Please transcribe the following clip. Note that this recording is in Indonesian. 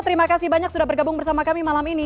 terimakasih banyak sudah bergabung bersama kami malam ini